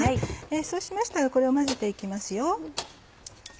そうしましたらこれを混ぜて行きますよ。